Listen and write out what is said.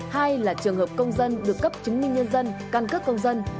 hai là trường hợp công dân được cấp chứng minh nhân dân căn cước công dân